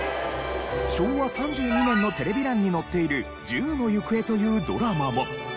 昭和３２年のテレビ欄に載っている『獣の行方』というドラマも。